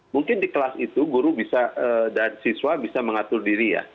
mungkin di kelas itu guru bisa dan siswa bisa mengatur diri ya